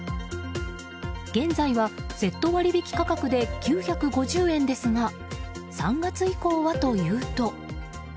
現在は、セット割引価格で９５０円ですが３月以降はというと。